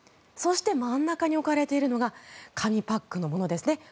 そして真ん中に置かれているのは紙パックのものですね。